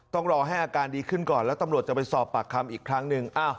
ต้องรอให้อาการดีขึ้นก่อนแล้วตำรวจจะไปสอบปากคำอีกครั้งหนึ่ง